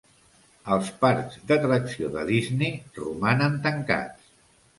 Els parcs d'atracció de Disney romanen tancats